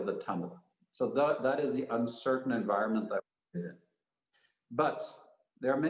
perkembangan pendapatan di antara negara asia dan sebagainya